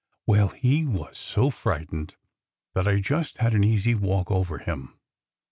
Well, he was so frightened that I just had an easy walk over him.